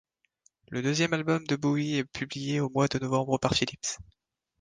Le deuxième album de Bowie est publié au mois de novembre par Philips.